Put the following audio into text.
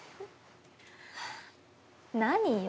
何よ。